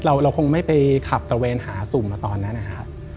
เราคงไม่ไปขับตระเวนหาสุ่มมาตอนนั้นนะครับ